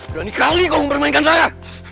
udah ini kali kau memainkan saya